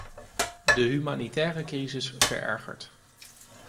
De humanitaire crisis verergert.